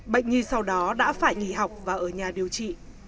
bệnh nhi sau đó đã phải nghỉ học và ở nhà điều trị